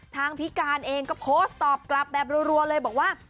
ทางพี่การเองก็โพสต์ตอบกลับแบบรัวเลยบอกว่า